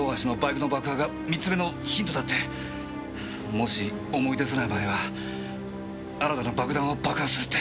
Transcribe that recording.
もし思い出せない場合は新たな爆弾を爆破するって。